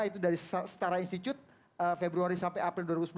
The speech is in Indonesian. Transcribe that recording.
itu dari setara institut februari sampai april dua ribu sembilan belas